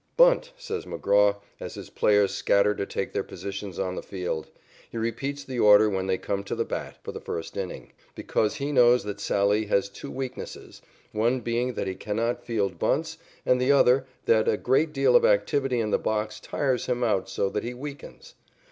"Bunt," says McGraw as his players scatter to take their positions on the field. He repeats the order when they come to the bat for the first inning, because he knows that Sallee has two weaknesses, one being that he cannot field bunts and the other that a great deal of activity in the box tires him out so that he weakens.